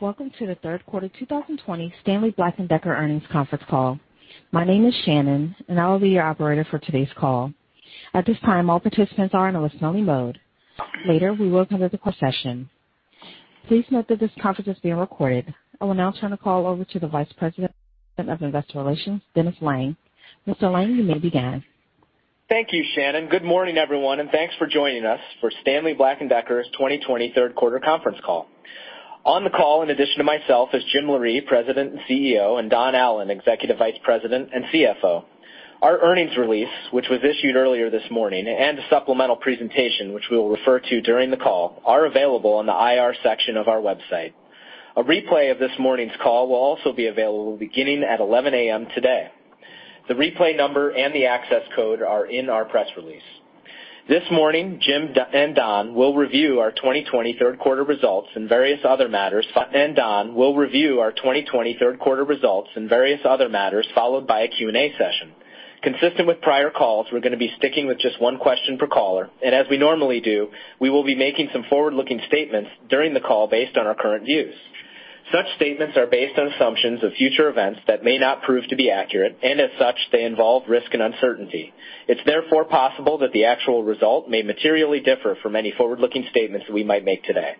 Welcome to the third quarter 2020 Stanley Black & Decker earnings conference call. My name is Shannon. I will be your Operator for today's call. At this time, all participants are in a listen-only mode. Later, we will come to the question session. Please note that this conference is being recorded. I will now turn the call over to the Vice President of Investor Relations, Dennis Lange. Mr. Lange, you may begin. Thank you, Shannon. Good morning, everyone, and thanks for joining us for Stanley Black & Decker's 2020 third quarter conference call. On the call, in addition to myself, is Jim Loree, President and Chief Executive Officer, and Don Allan, Executive Vice President and Chief Financial Officer. Our earnings release, which was issued earlier this morning, and a supplemental presentation, which we'll refer to during the call, are available on the IR section of our website. A replay of this morning's call will also be available beginning at 11:00 A.M. today. The replay number and the access code are in our press release. This morning, Jim and Don will review our 2020 third quarter results and various other matters followed by a Q&A session. Consistent with prior calls, we're going to be sticking with just one question per caller, and as we normally do, we will be making some forward-looking statements during the call based on our current views. Such statements are based on assumptions of future events that may not prove to be accurate, and as such, they involve risk and uncertainty. It's therefore possible that the actual result may materially differ from any forward-looking statements we might make today.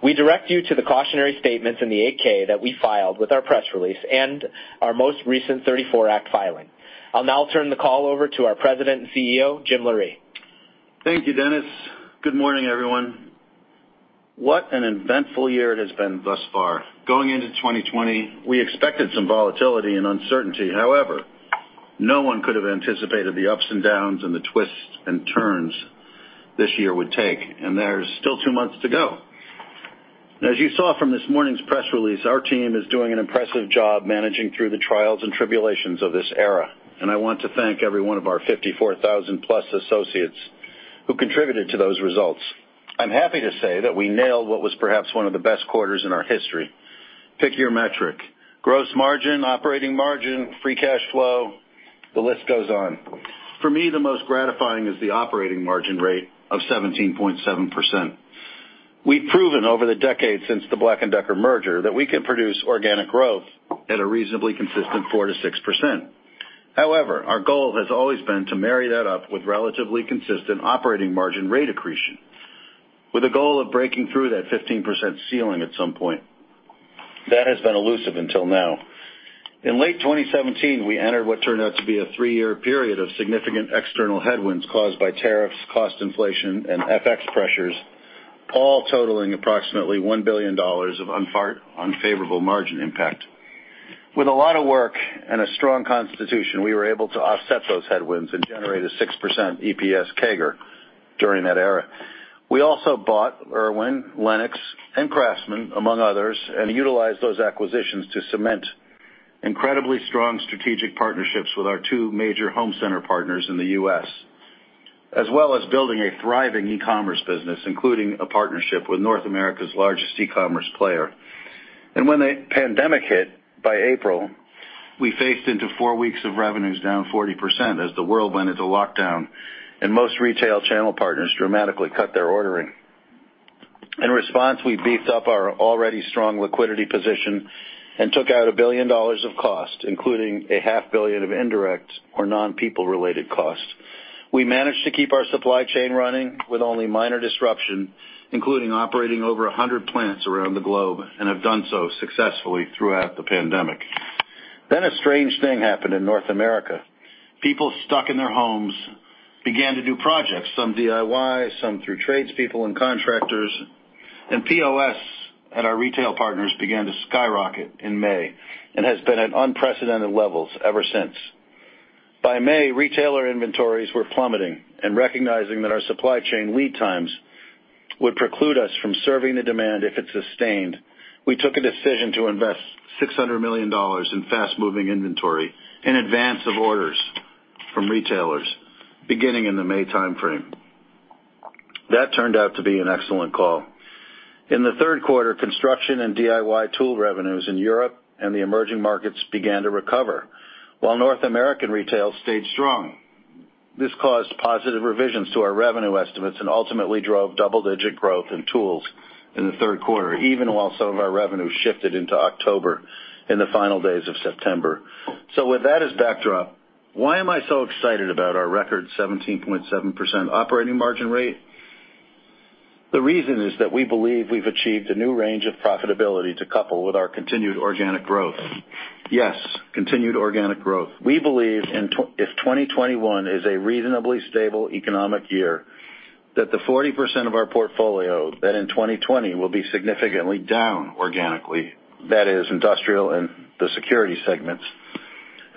We direct you to the cautionary statements in the 8-K that we filed with our press release and our most recent 34 Act filing. I'll now turn the call over to our President and Chief Executive Officer, Jim Loree. Thank you, Dennis. Good morning everyone? What an eventful year it has been thus far. Going into 2020, we expected some volatility and uncertainty. However, no one could have anticipated the ups and downs and the twists and turns this year would take, and there's still two months to go. As you saw from this morning's press release, our team is doing an impressive job managing through the trials and tribulations of this era, and I want to thank every one of our 54,000+ associates who contributed to those results. I'm happy to say that we nailed what was perhaps one of the best quarters in our history. Pick your metric, gross margin, operating margin, free cash flow, the list goes on. For me, the most gratifying is the operating margin rate of 17.7%. We've proven over the decades since the Black & Decker merger that we can produce organic growth at a reasonably consistent 4%-6%. However, our goal has always been to marry that up with relatively consistent operating margin rate accretion, with a goal of breaking through that 15% ceiling at some point. That has been elusive until now. In late 2017, we entered what turned out to be a three-year period of significant external headwinds caused by tariffs, cost inflation, and FX pressures, all totaling approximately $1 billion of unfavorable margin impact. With a lot of work and a strong constitution, we were able to offset those headwinds and generate a 6% EPS CAGR during that era. We also bought IRWIN, LENOX, and CRAFTSMAN, among others, and utilized those acquisitions to cement incredibly strong strategic partnerships with our two major home center partners in the U.S., as well as building a thriving e-commerce business, including a partnership with North America's largest e-commerce player. When the pandemic hit, by April, we faced into four weeks of revenues down 40% as the world went into lockdown and most retail channel partners dramatically cut their ordering. In response, we beefed up our already strong liquidity position and took out $1 billion of cost, including a $0.5 billion Of indirect or non-people related costs. We managed to keep our supply chain running with only minor disruption, including operating over 100 plants around the globe, and have done so successfully throughout the pandemic. A strange thing happened in North America. People stuck in their homes began to do projects, some DIY, some through tradespeople and contractors, and POS at our retail partners began to skyrocket in May and has been at unprecedented levels ever since. By May, retailer inventories were plummeting, and recognizing that our supply chain lead times would preclude us from serving the demand if it sustained, we took a decision to invest $600 million in fast-moving inventory in advance of orders from retailers beginning in the May timeframe. That turned out to be an excellent call. In the third quarter, construction and DIY tool revenues in Europe and the emerging markets began to recover while North American retail stayed strong. This caused positive revisions to our revenue estimates and ultimately drove double-digit growth in tools in the third quarter, even while some of our revenue shifted into October in the final days of September. With that as backdrop, why am I so excited about our record 17.7% operating margin rate? The reason is that we believe we've achieved a new range of profitability to couple with our continued organic growth. Yes, continued organic growth. We believe if 2021 is a reasonably stable economic year, that the 40% of our portfolio that in 2020 will be significantly down organically, that is Industrial and the Security segments,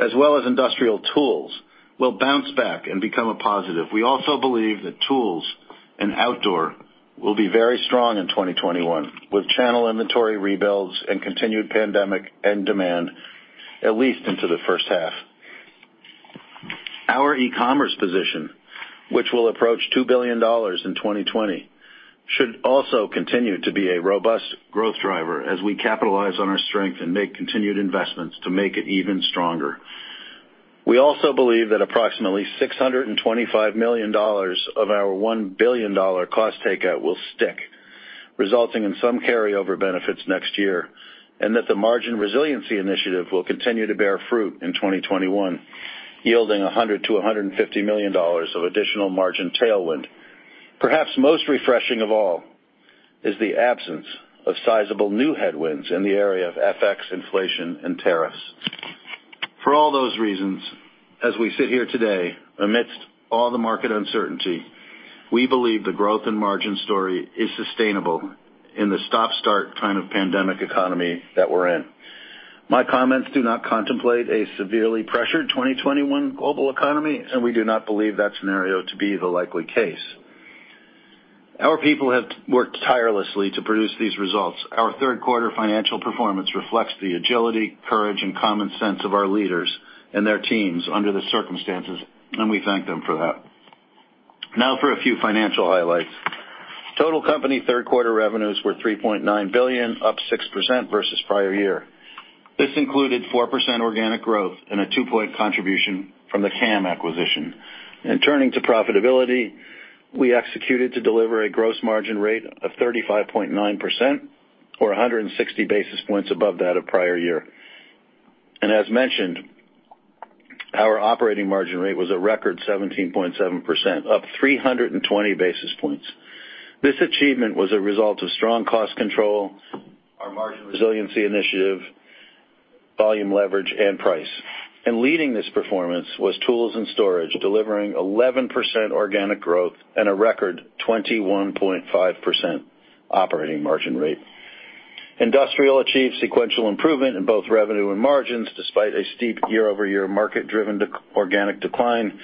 as well as Industrial Tools, will bounce back and become a positive. We also believe that Tools and Outdoor will be very strong in 2021, with channel inventory rebuilds and continued pandemic end demand at least into the first half. Our e-commerce position, which will approach $2 billion in 2020, should also continue to be a robust growth driver as we capitalize on our strength and make continued investments to make it even stronger. We also believe that approximately $625 million of our $1 billion cost takeout will stick, resulting in some carryover benefits next year, and that the margin resiliency initiative will continue to bear fruit in 2021, yielding $100 million-$150 million of additional margin tailwind. Perhaps most refreshing of all, is the absence of sizable new headwinds in the area of FX, inflation, and tariffs. For all those reasons, as we sit here today, amidst all the market uncertainty, we believe the growth and margin story is sustainable in the stop-start kind of pandemic economy that we're in. My comments do not contemplate a severely pressured 2021 global economy. We do not believe that scenario to be the likely case. Our people have worked tirelessly to produce these results. Our third quarter financial performance reflects the agility, courage, and common sense of our leaders and their teams under the circumstances. We thank them for that. Now for a few financial highlights. Total company third-quarter revenues were $3.9 billion, up 6% versus prior year. This included 4% organic growth and a two-point contribution from the CAM acquisition. Turning to profitability, we executed to deliver a gross margin rate of 35.9%, or 160 basis points above that of prior year. As mentioned, our operating margin rate was a record 17.7%, up 320 basis points. This achievement was a result of strong cost control, our margin resiliency initiative, volume leverage, and price. Leading this performance was Tools & Storage, delivering 11% organic growth and a record 21.5% operating margin rate. Industrial achieved sequential improvement in both revenue and margins, despite a steep year-over-year market-driven organic decline,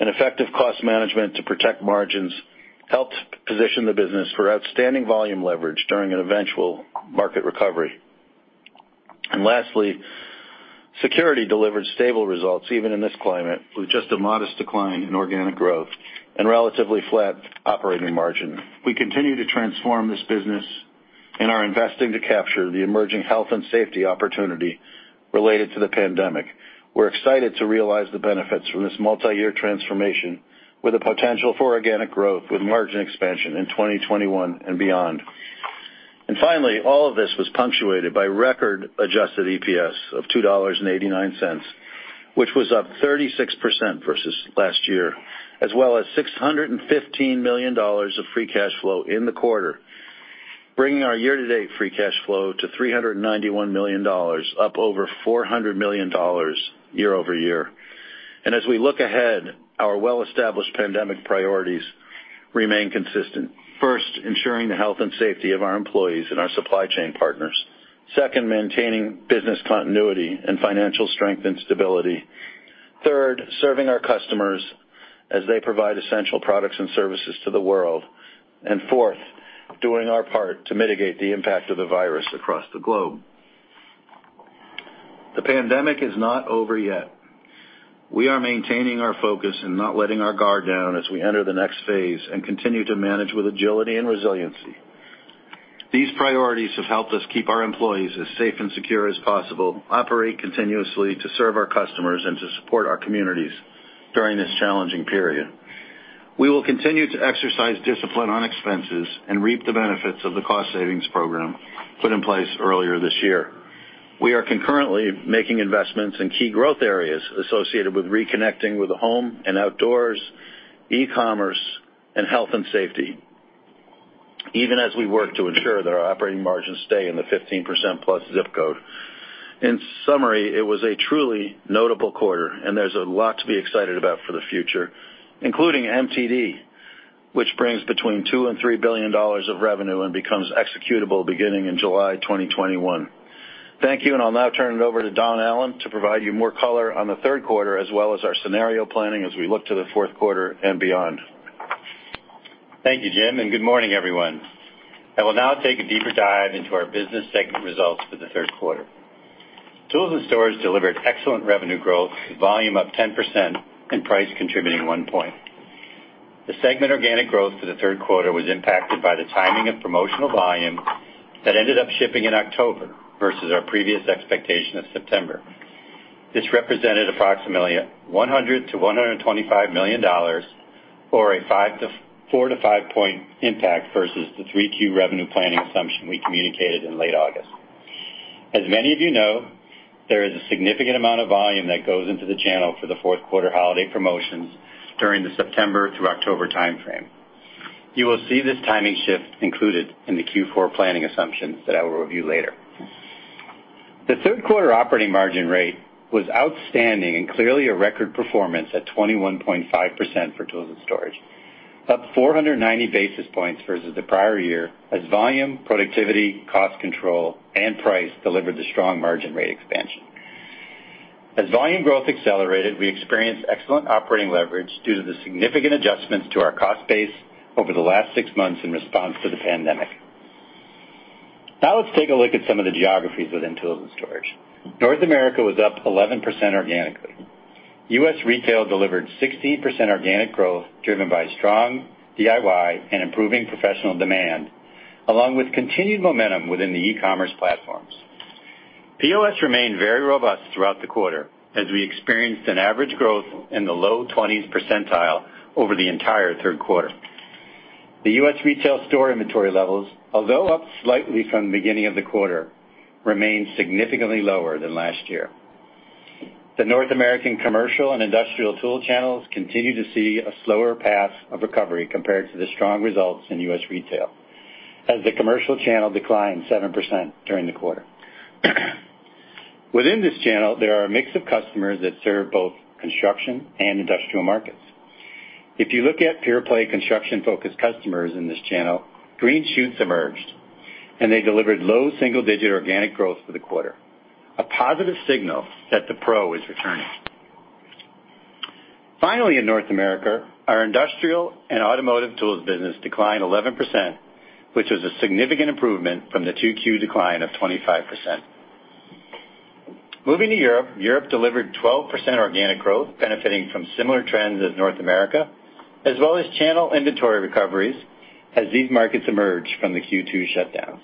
and effective cost management to protect margins helped position the business for outstanding volume leverage during an eventual market recovery. Lastly, Security delivered stable results even in this climate, with just a modest decline in organic growth and relatively flat operating margin. We continue to transform this business and are investing to capture the emerging health and safety opportunity related to the pandemic. We're excited to realize the benefits from this multi-year transformation with a potential for organic growth with margin expansion in 2021 and beyond. Finally, all of this was punctuated by record adjusted EPS of $2.89, which was up 36% versus last year, as well as $615 million of free cash flow in the quarter, bringing our year-to-date free cash flow to $391 million, up over $400 million year-over-year. As we look ahead, our well-established pandemic priorities remain consistent. First, ensuring the health and safety of our employees and our supply chain partners. Second, maintaining business continuity and financial strength and stability. Third, serving our customers as they provide essential products and services to the world. Fourth, doing our part to mitigate the impact of the virus across the globe. The pandemic is not over yet. We are maintaining our focus and not letting our guard down as we enter the next phase and continue to manage with agility and resiliency. These priorities have helped us keep our employees as safe and secure as possible, operate continuously to serve our customers and to support our communities during this challenging period. We will continue to exercise discipline on expenses and reap the benefits of the cost savings program put in place earlier this year. We are concurrently making investments in key growth areas associated with reconnecting with the home and outdoors, e-commerce, and health and safety, even as we work to ensure that our operating margins stay in the 15%+ ZIP Code. In summary, it was a truly notable quarter, and there's a lot to be excited about for the future, including MTD, which brings between $2 billion and $3 billion of revenue and becomes executable beginning in July 2021. Thank you. I'll now turn it over to Don Allan to provide you more color on the third quarter, as well as our scenario planning as we look to the fourth quarter and beyond. Thank you, Jim, and good morning everyone? I will now take a deeper dive into our business segment results for the third quarter. Tools & Storage delivered excellent revenue growth, with volume up 10% and price contributing one point. The segment organic growth for the third quarter was impacted by the timing of promotional volume that ended up shipping in October versus our previous expectation of September. This represented approximately $100 million-$125 million, or a 4 point-5 point impact versus the 3Q revenue planning assumption we communicated in late August. As many of you know, there is a significant amount of volume that goes into the channel for the fourth quarter holiday promotions during the September through October timeframe. You will see this timing shift included in the Q4 planning assumptions that I will review later. The third quarter operating margin rate was outstanding and clearly a record performance at 21.5% for Tools & Storage, up 490 basis points versus the prior year as volume, productivity, cost control, and price delivered the strong margin rate expansion. As volume growth accelerated, we experienced excellent operating leverage due to the significant adjustments to our cost base over the last six months in response to the pandemic. Now let's take a look at some of the geographies within Tools & Storage. North America was up 11% organically. U.S. retail delivered 16% organic growth, driven by strong DIY and improving professional demand along with continued momentum within the e-commerce platforms. POS remained very robust throughout the quarter as we experienced an average growth in the low 20s percentile over the entire third quarter. The U.S. retail store inventory levels, although up slightly from the beginning of the quarter, remained significantly lower than last year. The North American commercial and industrial tool channels continue to see a slower path of recovery compared to the strong results in U.S. retail, as the commercial channel declined 7% during the quarter. Within this channel, there are a mix of customers that serve both construction and industrial markets. If you look at pure-play construction-focused customers in this channel, green shoots emerged, and they delivered low single-digit organic growth for the quarter, a positive signal that the pro is returning. In North America, our industrial and automotive tools business declined 11%, which was a significant improvement from the 2Q decline of 25%. Moving to Europe. Europe delivered 12% organic growth, benefiting from similar trends as North America, as well as channel inventory recoveries as these markets emerge from the Q2 shutdowns.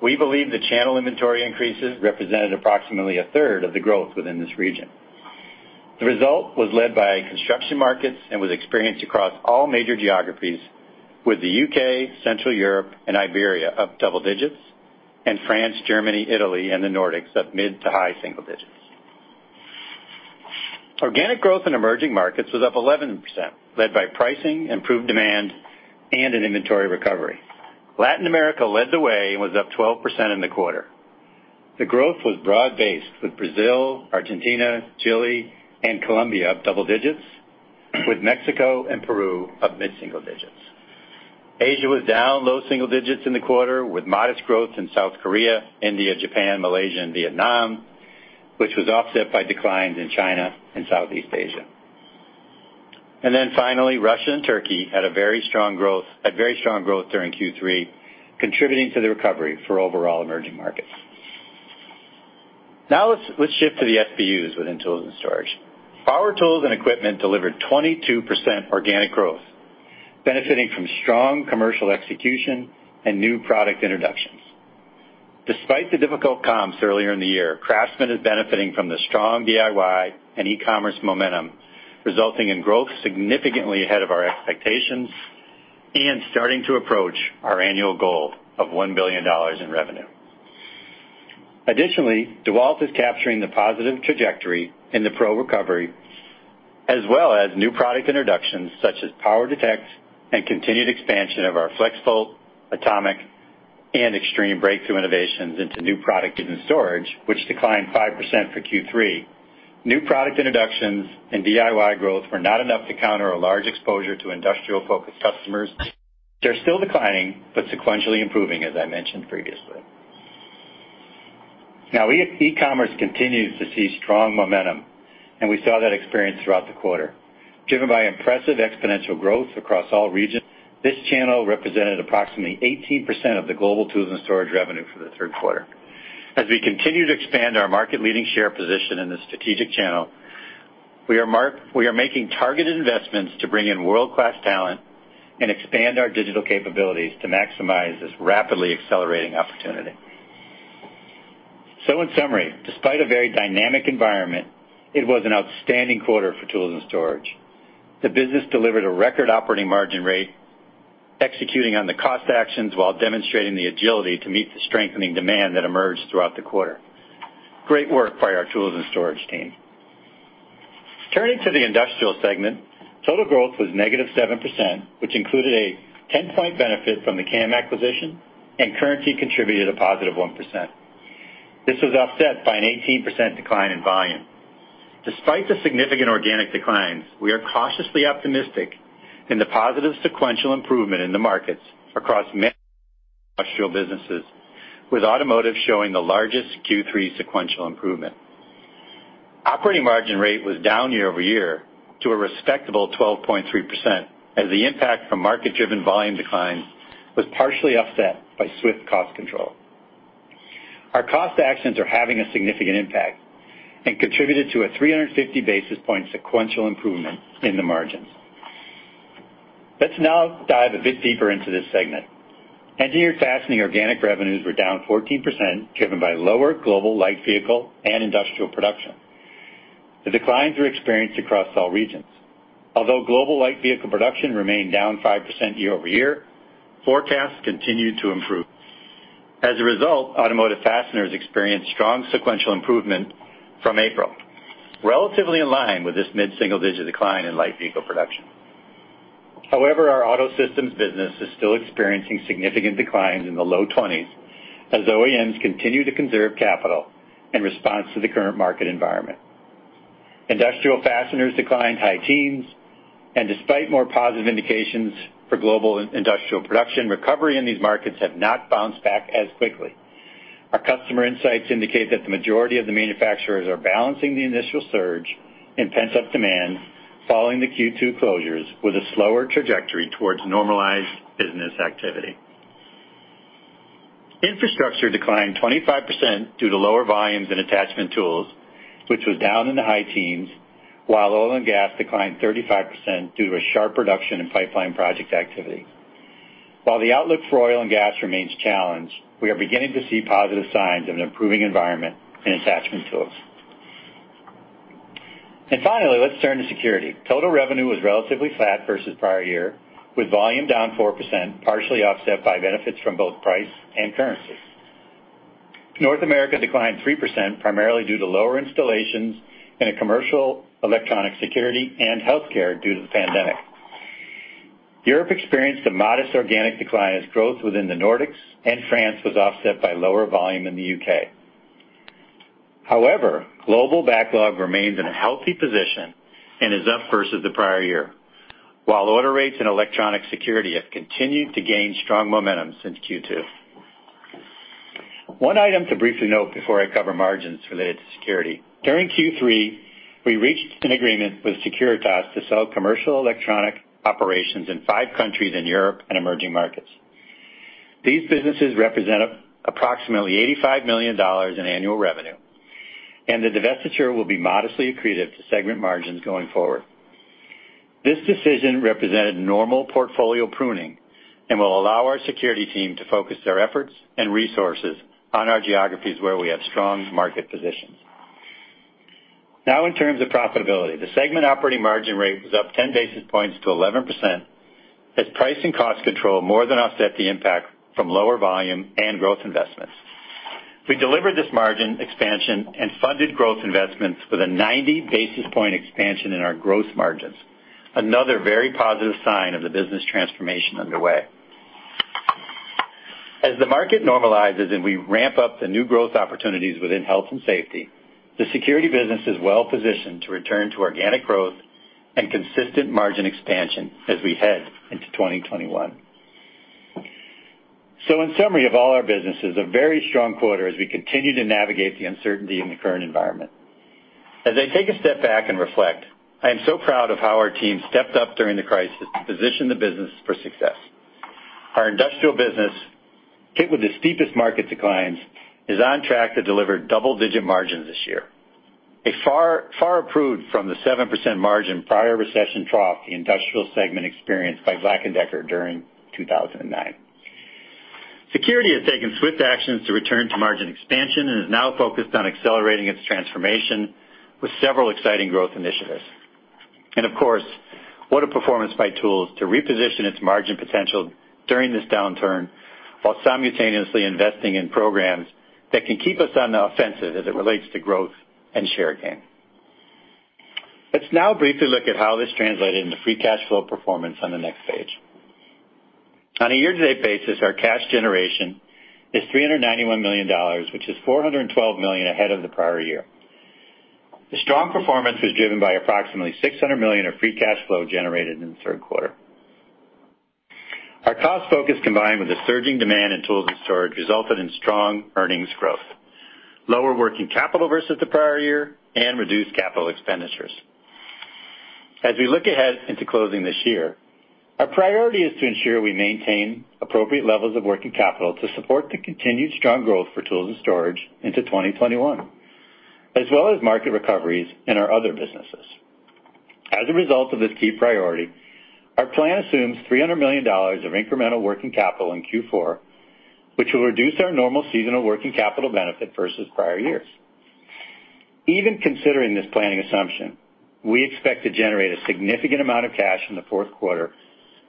We believe the channel inventory increases represented approximately a third of the growth within this region. The result was led by construction markets and was experienced across all major geographies, with the U.K., Central Europe, and Iberia up double digits, and France, Germany, Italy, and the Nordics up mid to high single digits. Organic growth in emerging markets was up 11%, led by pricing, improved demand, and an inventory recovery. Latin America led the way and was up 12% in the quarter. The growth was broad-based, with Brazil, Argentina, Chile, and Colombia up double digits, with Mexico and Peru up mid-single digits. Asia was down low single digits in the quarter with modest growth in South Korea, India, Japan, Malaysia, and Vietnam, which was offset by declines in China and Southeast Asia. Finally, Russia and Turkey had very strong growth during Q3, contributing to the recovery for overall emerging markets. Now let's shift to the SBUs within Tools & Storage. Power tools and equipment delivered 22% organic growth, benefiting from strong commercial execution and new product introductions. Despite the difficult comps earlier in the year, CRAFTSMAN is benefiting from the strong DIY and e-commerce momentum, resulting in growth significantly ahead of our expectations and starting to approach our annual goal of $1 billion in revenue. Additionally, DEWALT is capturing the positive trajectory in the pro recovery, as well as new product introductions such as POWER DETECT and continued expansion of our FLEXVOLT, ATOMIC, and XTREME breakthrough innovations into new product and storage, which declined 5% for Q3. New product introductions and DIY growth were not enough to counter a large exposure to industrial-focused customers. They're still declining, but sequentially improving, as I mentioned previously. Now, e-commerce continues to see strong momentum, and we saw that experience throughout the quarter. Driven by impressive exponential growth across all regions, this channel represented approximately 18% of the global Tools & Storage revenue for the third quarter. As we continue to expand our market-leading share position in the strategic channel, we are making targeted investments to bring in world-class talent and expand our digital capabilities to maximize this rapidly accelerating opportunity. In summary, despite a very dynamic environment, it was an outstanding quarter for Tools & Storage. The business delivered a record operating margin rate, executing on the cost actions while demonstrating the agility to meet the strengthening demand that emerged throughout the quarter. Great work by our Tools & Storage team. Turning to the Industrial segment, total growth was negative 7%, which included a 10-point benefit from the CAM acquisition, and currency contributed a positive 1%. This was offset by an 18% decline in volume. Despite the significant organic declines, we are cautiously optimistic in the positive sequential improvement in the markets across many industrial businesses, with automotive showing the largest Q3 sequential improvement. Operating margin rate was down year-over-year to a respectable 12.3% as the impact from market-driven volume declines was partially offset by swift cost control. Our cost actions are having a significant impact and contributed to a 350 basis point sequential improvement in the margins. Let's now dive a bit deeper into this segment. Engineered Fastening organic revenues were down 14%, driven by lower global light vehicle and industrial production. The declines were experienced across all regions. Although global light vehicle production remained down 5% year-over-year, forecasts continued to improve. As a result, automotive fasteners experienced strong sequential improvement from April, relatively in line with this mid-single-digit decline in light vehicle production. However, our auto systems business is still experiencing significant declines in the low 20s as OEMs continue to conserve capital in response to the current market environment. Industrial fasteners declined high teens, and despite more positive indications for global industrial production, recovery in these markets have not bounced back as quickly. Our customer insights indicate that the majority of the manufacturers are balancing the initial surge in pent-up demand following the Q2 closures with a slower trajectory towards normalized business activity. Infrastructure declined 25% due to lower volumes in attachment tools, which was down in the high teens, while oil and gas declined 35% due to a sharp reduction in pipeline project activity. While the outlook for oil and gas remains challenged, we are beginning to see positive signs of an improving environment in attachment tools. Finally, let's turn to security. Total revenue was relatively flat versus prior year, with volume down 4%, partially offset by benefits from both price and currency. North America declined 3%, primarily due to lower installations in a commercial electronic security and healthcare due to the pandemic. Europe experienced a modest organic decline as growth within the Nordics and France was offset by lower volume in the U.K. However, global backlog remains in a healthy position and is up versus the prior year, while order rates in electronic security have continued to gain strong momentum since Q2. One item to briefly note before I cover margins related to security. During Q3, we reached an agreement with Securitas to sell commercial electronic operations in five countries in Europe and emerging markets. These businesses represent approximately $85 million in annual revenue, and the divestiture will be modestly accretive to segment margins going forward. This decision represented normal portfolio pruning and will allow our security team to focus their efforts and resources on our geographies where we have strong market positions. Now in terms of profitability. The segment operating margin rate was up 10 basis points to 11%, as price and cost control more than offset the impact from lower volume and growth investments. We delivered this margin expansion and funded growth investments with a 90 basis point expansion in our gross margins. Another very positive sign of the business transformation underway. As the market normalizes and we ramp up the new growth opportunities within health and safety, the security business is well-positioned to return to organic growth and consistent margin expansion as we head into 2021. In summary of all our businesses, a very strong quarter as we continue to navigate the uncertainty in the current environment. As I take a step back and reflect, I am so proud of how our team stepped up during the crisis to position the business for success. Our industrial business, hit with the steepest market declines, is on track to deliver double-digit margins this year. A far improved from the 7% margin prior recession trough the industrial segment experienced by Black & Decker during 2009. Security has taken swift actions to return to margin expansion and is now focused on accelerating its transformation with several exciting growth initiatives. Of course, what a performance by Tools to reposition its margin potential during this downturn while simultaneously investing in programs that can keep us on the offensive as it relates to growth and share gain. Let's now briefly look at how this translated into free cash flow performance on the next page. On a year-to-date basis, our cash generation is $391 million, which is $412 million ahead of the prior year. The strong performance was driven by approximately $600 million of free cash flow generated in the third quarter. Our cost focus, combined with the surging demand in tools and storage, resulted in strong earnings growth, lower working capital versus the prior year, and reduced capital expenditures. As we look ahead into closing this year, our priority is to ensure we maintain appropriate levels of working capital to support the continued strong growth for tools and storage into 2021, as well as market recoveries in our other businesses. As a result of this key priority, our plan assumes $300 million of incremental working capital in Q4, which will reduce our normal seasonal working capital benefit versus prior years. Even considering this planning assumption, we expect to generate a significant amount of cash in the fourth quarter.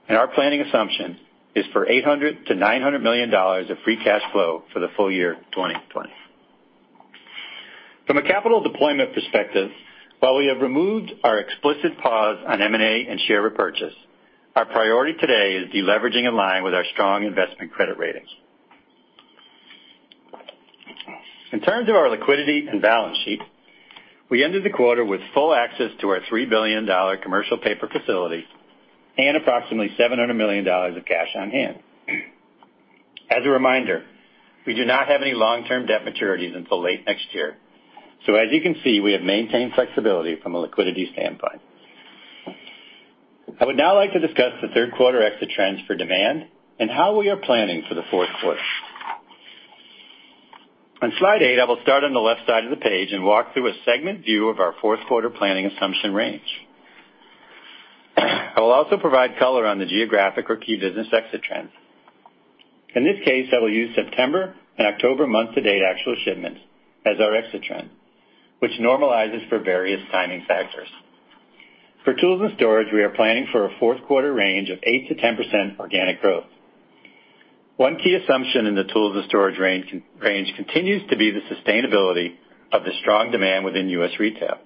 Our planning assumption is for $800 million-$900 million of free cash flow for the full year 2020. From a capital deployment perspective, while we have removed our explicit pause on M&A and share repurchase, our priority today is deleveraging in line with our strong investment credit ratings. In terms of our liquidity and balance sheet, we ended the quarter with full access to our $3 billion commercial paper facility and approximately $700 million of cash on hand. As a reminder, we do not have any long-term debt maturities until late next year. As you can see, we have maintained flexibility from a liquidity standpoint. I would now like to discuss the third quarter exit trends for demand and how we are planning for the fourth quarter. On slide eight, I will start on the left side of the page and walk through a segment view of our fourth quarter planning assumption range. I will also provide color on the geographic or key business exit trends. In this case, I will use September and October month-to-date actual shipments as our exit trend, which normalizes for various timing factors. For Tools & Storage, we are planning for a fourth quarter range of 8%-10% organic growth. One key assumption in the Tools & Storage range continues to be the sustainability of the strong demand within U.S. retail.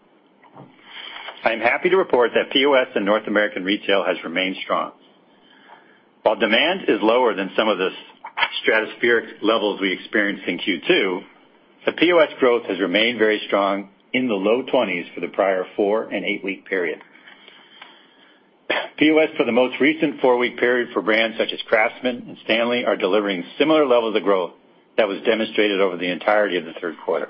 I am happy to report that POS in North American retail has remained strong. While demand is lower than some of the stratospheric levels we experienced in Q2, the POS growth has remained very strong in the low 20s for the prior four- and eight-week period. POS for the most recent four-week period for brands such as CRAFTSMAN and Stanley are delivering similar levels of growth that was demonstrated over the entirety of the third quarter.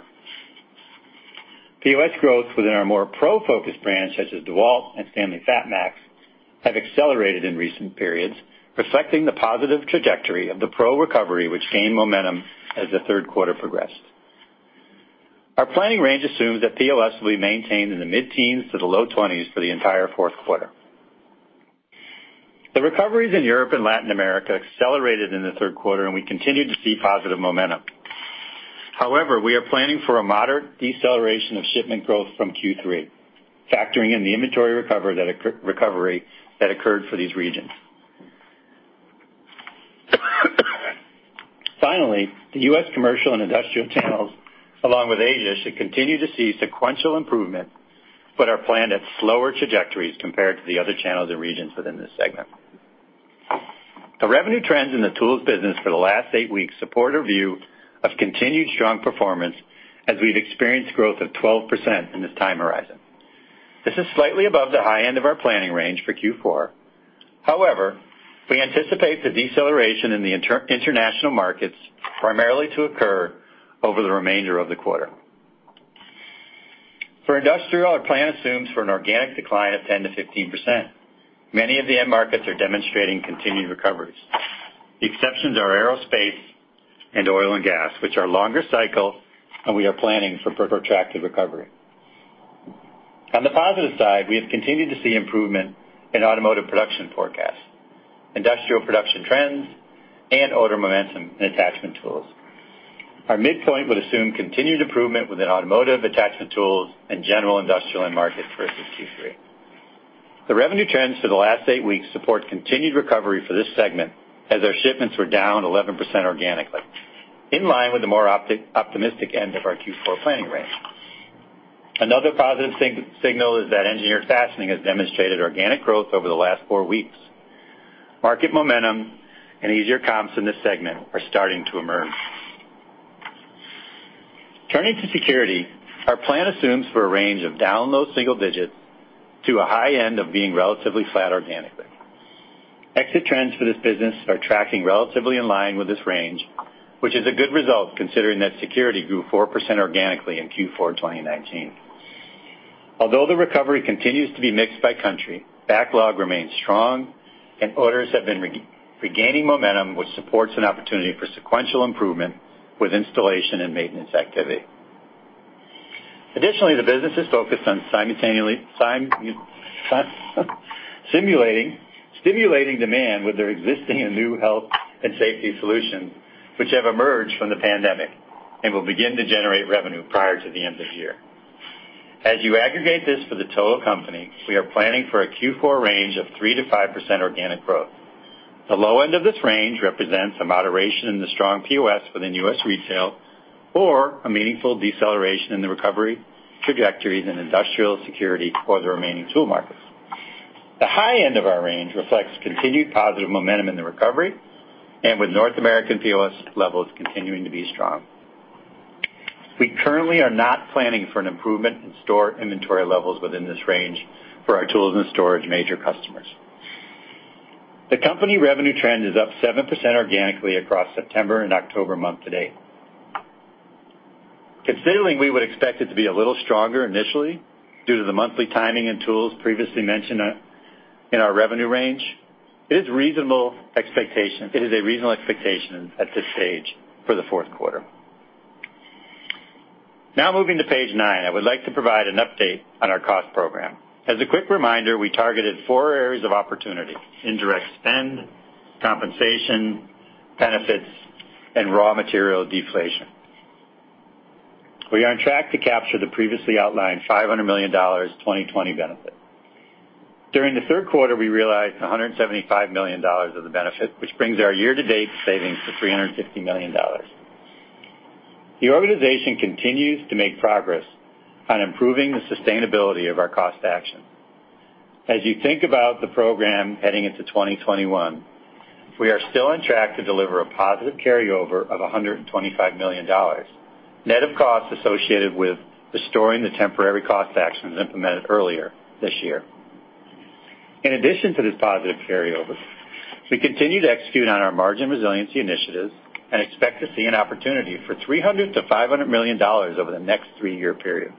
POS growth within our more pro-focused brands, such as DEWALT and Stanley FatMax, have accelerated in recent periods, reflecting the positive trajectory of the pro recovery, which gained momentum as the third quarter progressed. Our planning range assumes that POS will be maintained in the mid-teens to the low 20s for the entire fourth quarter. The recoveries in Europe and Latin America accelerated in the third quarter. We continued to see positive momentum. We are planning for a moderate deceleration of shipment growth from Q3, factoring in the inventory recovery that occurred for these regions. Finally, the U.S. commercial and industrial channels, along with Asia, should continue to see sequential improvement, but are planned at slower trajectories compared to the other channels and regions within this segment. The revenue trends in the tools business for the last eight weeks support our view of continued strong performance as we've experienced growth of 12% in this time horizon. This is slightly above the high end of our planning range for Q4. However, we anticipate the deceleration in the international markets primarily to occur over the remainder of the quarter. For industrial, our plan assumes for an organic decline of 10%-15%. Many of the end markets are demonstrating continued recoveries. The exceptions are aerospace and oil and gas, which are longer cycle, and we are planning for protracted recovery. On the positive side, we have continued to see improvement in automotive production forecasts, industrial production trends, and order momentum in attachment tools. Our midpoint would assume continued improvement within automotive attachment tools and general industrial end markets versus Q3. The revenue trends for the last eight weeks support continued recovery for this segment, as our shipments were down 11% organically, in line with the more optimistic end of our Q4 planning range. Another positive signal is that Engineered Fastening has demonstrated organic growth over the last four weeks. Market momentum and easier comps in this segment are starting to emerge. Turning to security, our plan assumes for a range of down low single digits to a high end of being relatively flat organically. Exit trends for this business are tracking relatively in line with this range, which is a good result considering that security grew 4% organically in Q4 2019. Although the recovery continues to be mixed by country, backlog remains strong, and orders have been regaining momentum, which supports an opportunity for sequential improvement with installation and maintenance activity. Additionally, the business is focused on stimulating demand with their existing and new health and safety solutions, which have emerged from the pandemic and will begin to generate revenue prior to the end of the year. As you aggregate this for the total company, we are planning for a Q4 range of 3%-5% organic growth. The low end of this range represents a moderation in the strong POS within U.S. retail or a meaningful deceleration in the recovery trajectories in industrial security or the remaining tool markets. The high end of our range reflects continued positive momentum in the recovery and with North American POS levels continuing to be strong. We currently are not planning for an improvement in store inventory levels within this range for our Tools & Storage major customers. The company revenue trend is up 7% organically across September and October month to date. Considering we would expect it to be a little stronger initially, due to the monthly timing in tools previously mentioned in our revenue range, it is a reasonable expectation at this stage for the fourth quarter. Moving to page nine, I would like to provide an update on our cost program. As a quick reminder, we targeted four areas of opportunity, indirect spend, compensation, benefits, and raw material deflation. We are on track to capture the previously outlined $500 million 2020 benefit. During the third quarter, we realized $175 million of the benefit, which brings our year-to-date savings to $350 million. The organization continues to make progress on improving the sustainability of our cost action. As you think about the program heading into 2021, we are still on track to deliver a positive carryover of $125 million, net of costs associated with restoring the temporary cost actions implemented earlier this year. In addition to this positive carryover, we continue to execute on our margin resiliency initiatives and expect to see an opportunity for $300 million-$500 million over the next three-year period.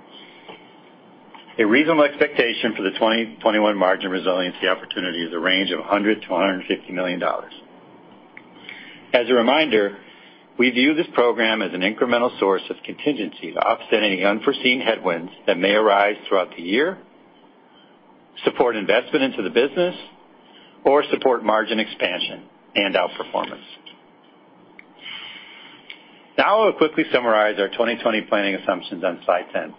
A reasonable expectation for the 2021 margin resiliency opportunity is a range of $100 million-$150 million. As a reminder, we view this program as an incremental source of contingency to offset any unforeseen headwinds that may arise throughout the year, support investment into the business, or support margin expansion and outperformance. I will quickly summarize our 2020 planning assumptions on slide 10.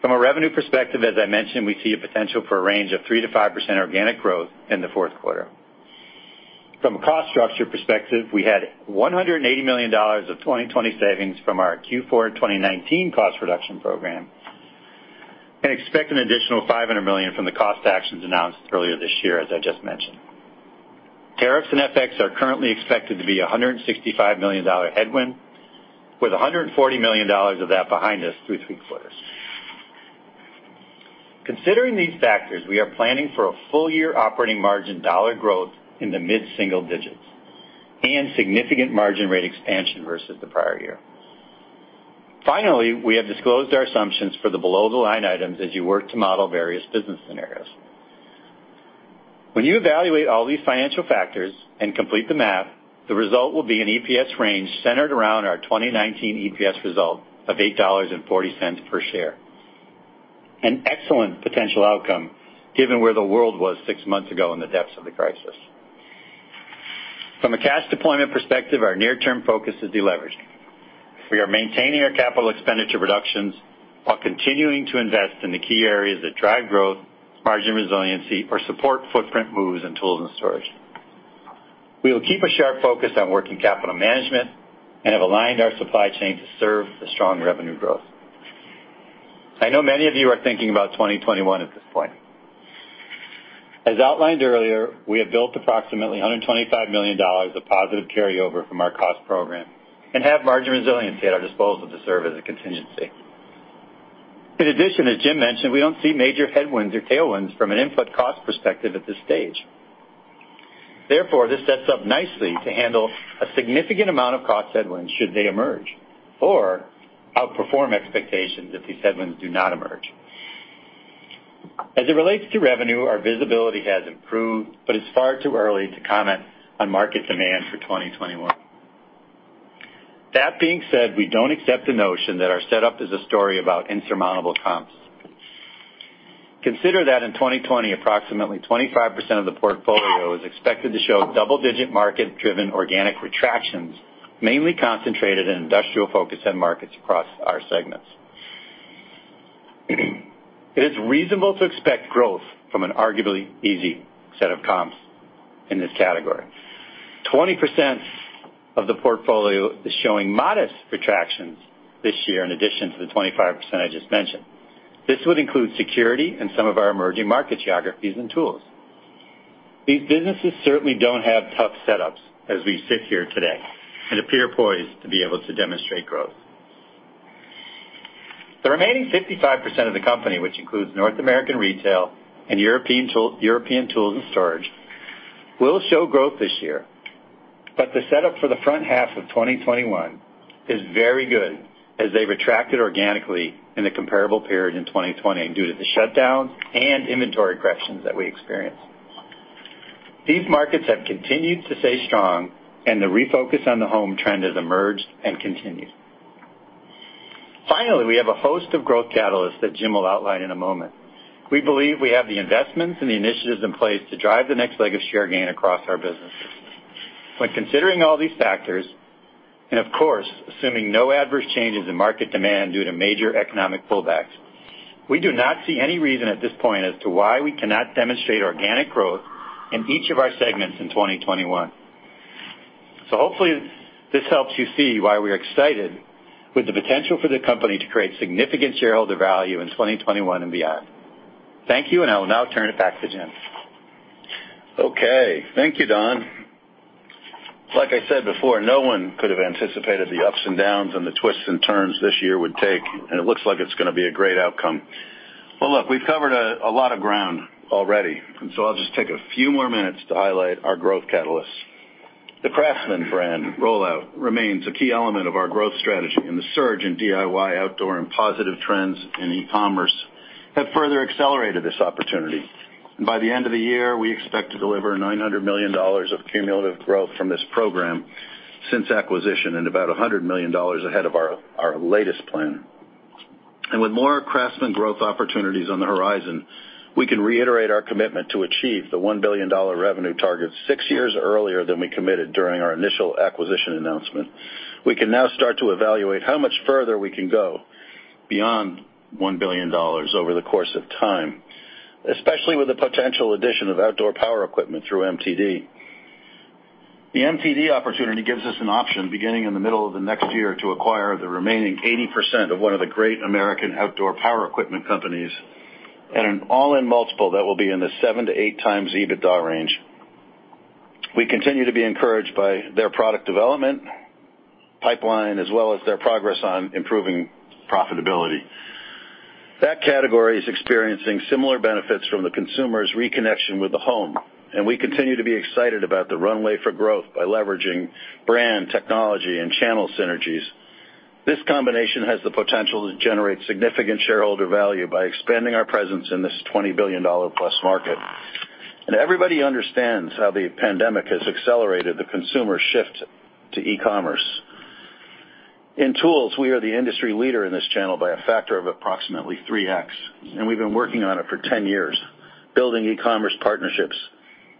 From a revenue perspective, as I mentioned, we see a potential for a range of 3%-5% organic growth in the fourth quarter. From a cost structure perspective, we had $180 million of 2020 savings from our Q4 2019 cost reduction program and expect an additional $500 million from the cost actions announced earlier this year, as I just mentioned. Tariffs and FX are currently expected to be $165 million headwind, with $140 million of that behind us through three quarters. Considering these factors, we are planning for a full-year operating margin dollar growth in the mid-single digits and significant margin rate expansion versus the prior year. We have disclosed our assumptions for the below-the-line items as you work to model various business scenarios. When you evaluate all these financial factors and complete the math, the result will be an EPS range centered around our 2019 EPS result of $8.40 per share. An excellent potential outcome given where the world was six months ago in the depths of the crisis. From a cash deployment perspective, our near-term focus is de-leveraging. We are maintaining our capital expenditure reductions while continuing to invest in the key areas that drive growth, margin resiliency, or support footprint moves in Tools & Storage. We will keep a sharp focus on working capital management and have aligned our supply chain to serve the strong revenue growth. I know many of you are thinking about 2021 at this point. As outlined earlier, we have built approximately $125 million of positive carryover from our cost program and have margin resiliency at our disposal to serve as a contingency. In addition, as Jim mentioned, we don't see major headwinds or tailwinds from an input cost perspective at this stage. This sets up nicely to handle a significant amount of cost headwinds should they emerge or outperform expectations if these headwinds do not emerge. As it relates to revenue, our visibility has improved, but it's far too early to comment on market demand for 2021. That being said, we don't accept the notion that our setup is a story about insurmountable comps. Consider that in 2020, approximately 25% of the portfolio is expected to show double-digit market-driven organic retractions, mainly concentrated in industrial focus end markets across our segments. It is reasonable to expect growth from an arguably easy set of comps in this category. 20% of the portfolio is showing modest retractions this year in addition to the 25% I just mentioned. This would include security and some of our emerging market geographies and tools. These businesses certainly don't have tough setups as we sit here today and appear poised to be able to demonstrate growth. The remaining 55% of the company, which includes North American retail and European tools and storage, will show growth this year. The setup for the front half of 2021 is very good as they retracted organically in the comparable period in 2020 due to the shutdowns and inventory corrections that we experienced. These markets have continued to stay strong, and the refocus on the home trend has emerged and continued. Finally, we have a host of growth catalysts that Jim will outline in a moment. We believe we have the investments and the initiatives in place to drive the next leg of share gain across our businesses. When considering all these factors, and of course, assuming no adverse changes in market demand due to major economic pullbacks, we do not see any reason at this point as to why we cannot demonstrate organic growth in each of our segments in 2021. Hopefully this helps you see why we're excited with the potential for the company to create significant shareholder value in 2021 and beyond. Thank you, and I will now turn it back to Jim. Okay. Thank you, Don. Like I said before, no one could have anticipated the ups and downs and the twists and turns this year would take, and it looks like it's going to be a great outcome. Well, look, we've covered a lot of ground already, and so I'll just take a few more minutes to highlight our growth catalysts. The CRAFTSMAN brand rollout remains a key element of our growth strategy in the surge in DIY outdoor and positive trends in e-commerce have further accelerated this opportunity. By the end of the year, we expect to deliver $900 million of cumulative growth from this program since acquisition and about $100 million ahead of our latest plan. With more CRAFTSMAN growth opportunities on the horizon, we can reiterate our commitment to achieve the $1 billion revenue target six years earlier than we committed during our initial acquisition announcement. We can now start to evaluate how much further we can go beyond $1 billion over the course of time, especially with the potential addition of outdoor power equipment through MTD. The MTD opportunity gives us an option beginning in the middle of the next year to acquire the remaining 80% of one of the great American outdoor power equipment companies at an all-in multiple that will be in the 7x-8x EBITDA range. We continue to be encouraged by their product development pipeline, as well as their progress on improving profitability. That category is experiencing similar benefits from the consumer's reconnection with the home, and we continue to be excited about the runway for growth by leveraging brand, technology, and channel synergies. This combination has the potential to generate significant shareholder value by expanding our presence in this $20 billion-plus market. Everybody understands how the pandemic has accelerated the consumer shift to e-commerce. In tools, we are the industry leader in this channel by a factor of approximately 3x, and we've been working on it for 10 years, building e-commerce partnerships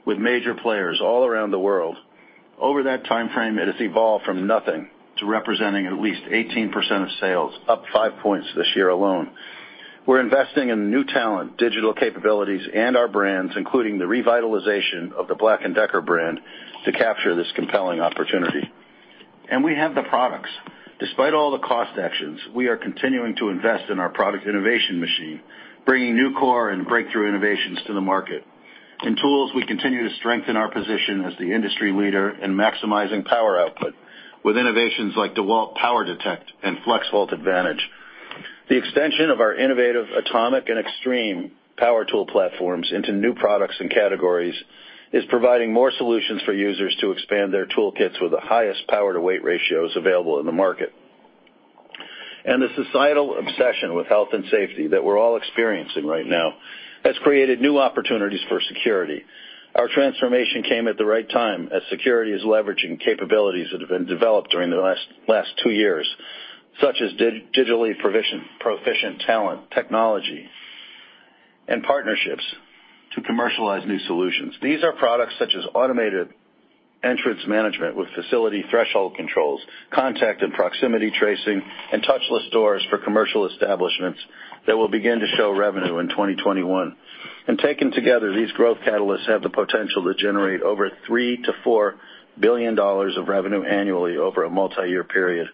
with major players all around the world. Over that timeframe, it has evolved from nothing to representing at least 18% of sales, up 5 points this year alone. We're investing in new talent, digital capabilities, and our brands, including the revitalization of the Black & Decker brand, to capture this compelling opportunity. We have the products. Despite all the cost actions, we are continuing to invest in our product innovation machine, bringing new core and breakthrough innovations to the market. In tools, we continue to strengthen our position as the industry leader in maximizing power output with innovations like DEWALT POWER DETECT and FLEXVOLT ADVANTAGE. The extension of our innovative ATOMIC and XTREME power tool platforms into new products and categories is providing more solutions for users to expand their toolkits with the highest power-to-weight ratios available in the market. The societal obsession with health and safety that we're all experiencing right now has created new opportunities for Security. Our transformation came at the right time, as Security is leveraging capabilities that have been developed during the last two years, such as digitally proficient talent, technology, and partnerships to commercialize new solutions. These are products such as automated entrance management with facility threshold controls, contact and proximity tracing, and touchless doors for commercial establishments that will begin to show revenue in 2021. Taken together, these growth catalysts have the potential to generate over $3 billion-$4 billion of revenue annually over a multi-year period.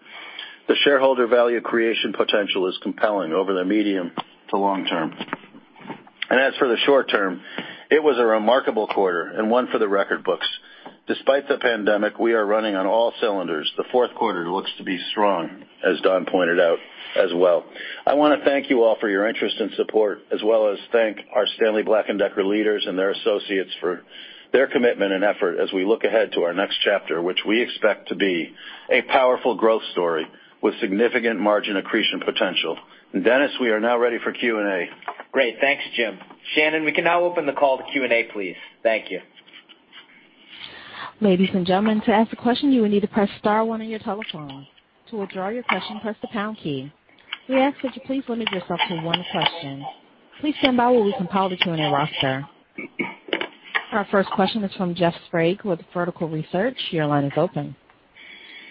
The shareholder value creation potential is compelling over the medium to long term. As for the short term, it was a remarkable quarter and one for the record books. Despite the pandemic, we are running on all cylinders. The fourth quarter looks to be strong, as Don pointed out as well. I want to thank you all for your interest and support, as well as thank our Stanley Black & Decker leaders and their associates for their commitment and effort as we look ahead to our next chapter, which we expect to be a powerful growth story with significant margin accretion potential. Dennis, we are now ready for Q&A. Great. Thanks, Jim. Shannon, we can now open the call to Q&A, please. Thank you. Ladies and gentlemen, to ask a question, you will need to press star one on your telephone. To withdraw your question, press the pound key. We ask that you please limit yourself to one question. Please stand by while we compile the Q&A roster. Our first question is from Jeff Sprague with Vertical Research, your line is open.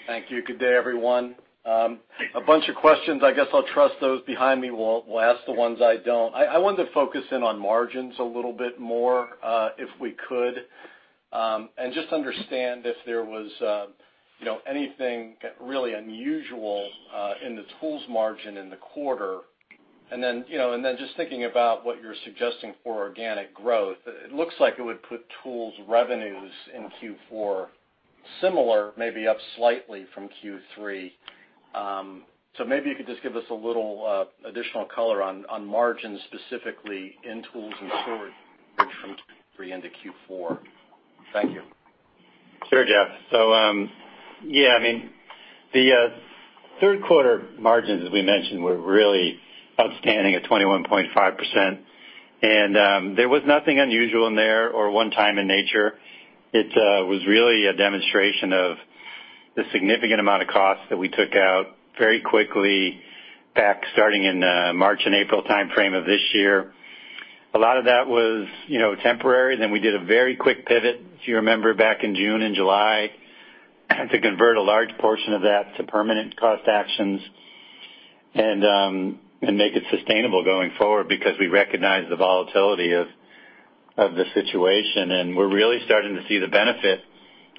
Thank you. Good day everyone? A bunch of questions. I guess I'll trust those behind me will ask the ones I don't. I wanted to focus in on margins a little bit more, if we could. Just understand if there was anything really unusual in the tools margin in the quarter. Just thinking about what you're suggesting for organic growth, it looks like it would put tools revenues in Q4 similar, maybe up slightly from Q3. Maybe you could just give us a little additional color on margins specifically in Tools & Storage from Q3 into Q4. Thank you. Sure, Jeff. The third quarter margins, as we mentioned, were really outstanding at 21.5%, and there was nothing unusual in there or one-time in nature. It was really a demonstration of the significant amount of costs that we took out very quickly back starting in March and April timeframe of this year. A lot of that was temporary. We did a very quick pivot, if you remember, back in June and July to convert a large portion of that to permanent cost actions and make it sustainable going forward because we recognize the volatility of the situation. We're really starting to see the benefit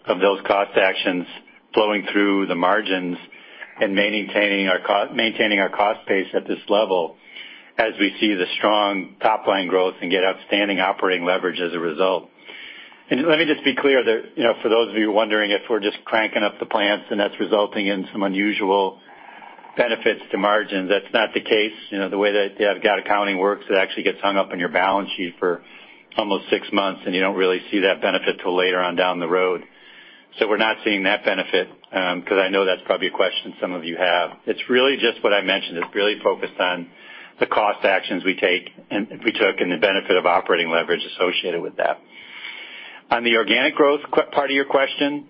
of those cost actions flowing through the margins and maintaining our cost pace at this level as we see the strong top-line growth and get outstanding operating leverage as a result. Let me just be clear that for those of you wondering if we're just cranking up the plants and that's resulting in some unusual benefits to margins, that's not the case. The way that GAAP accounting works, it actually gets hung up on your balance sheet for almost six months, and you don't really see that benefit till later on down the road. We're not seeing that benefit, because I know that's probably a question some of you have. It's really just what I mentioned. It's really focused on the cost actions we took and the benefit of operating leverage associated with that. On the organic growth part of your question,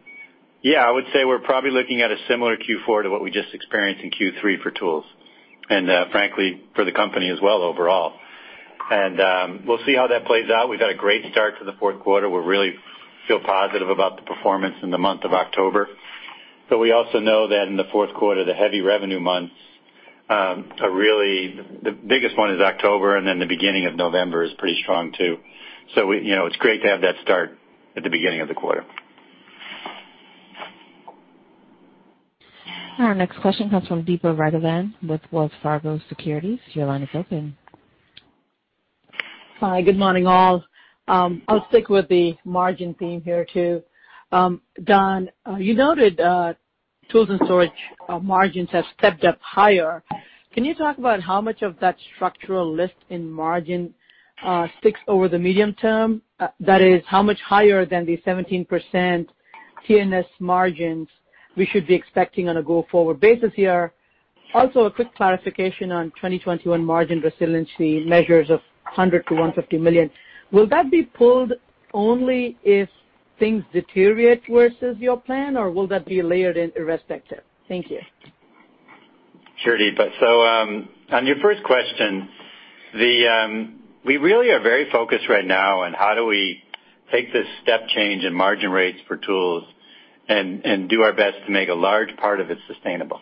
yeah, I would say we're probably looking at a similar Q4 to what we just experienced in Q3 for tools, and frankly, for the company as well overall. We'll see how that plays out. We've had a great start to the fourth quarter. We really feel positive about the performance in the month of October. We also know that in the fourth quarter, the heavy revenue months, the biggest one is October, and then the beginning of November is pretty strong, too. It's great to have that start at the beginning of the quarter. Our next question comes from Deepa Raghavan with Wells Fargo Securities, your line is open. Hi, good morning all? I'll stick with the margin theme here, too. Don, you noted Tools & Storage margins have stepped up higher. Can you talk about how much of that structural lift in margin sticks over the medium term? That is, how much higher than the 17% T&S margins we should be expecting on a go-forward basis here? Also, a quick clarification on 2021 margin resiliency measures of $100 million-$150 million. Will that be pulled only if things deteriorate versus your plan, or will that be layered in irrespective? Thank you. Sure, Deepa. On your first question, we really are very focused right now on how do we take this step change in margin rates for tools and do our best to make a large part of it sustainable.